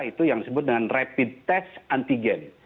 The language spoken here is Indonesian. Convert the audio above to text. itu yang disebut dengan rapid test antigen